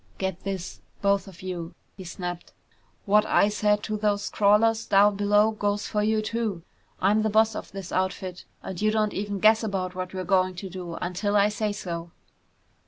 "Get this, both of you!" he snapped. "What I said to those crawlers down below goes for you too. I'm the boss of this outfit and you don't even guess about what we're going to do, until I say so!"